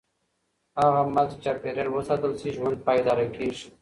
هغه مهال چې چاپېریال وساتل شي، ژوند پایدار کېږي.